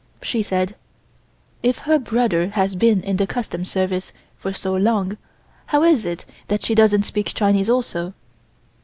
She said: "If her brother has been in the Customs service for so long, how is it that she doesn't speak Chinese also?"